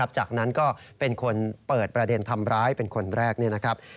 จากนั้นก็เป็นคนเปิดประเด็นทำร้ายเป็นคนแรกนี่นะครับ